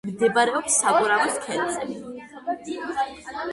მდებარეობს საგურამოს ქედზე.